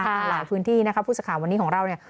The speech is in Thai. หลายพื้นที่นะครับผู้สาธารณีของเราเนี่ย